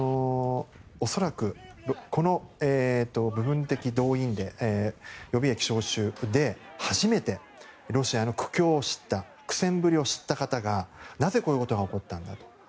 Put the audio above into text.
恐らく、この部分的動員令予備役招集で初めてロシアの苦境を知った苦戦ぶりを知った方がなぜこういうことが起こったんだと。